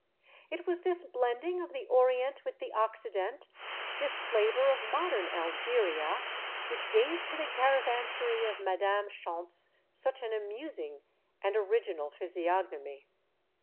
It was this blending of the Orient with the Occident, this flavor of modern Algeria, which gave to the caravansary of Madame Schontz such an amusing and original physiognomy.